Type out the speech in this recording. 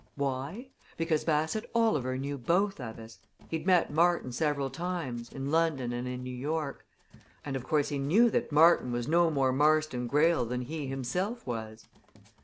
Why? Because Bassett Oliver knew both of us. He'd met Martin several times, in London and in New York and, of course, he knew that Martin was no more Marston Greyle than he himself was.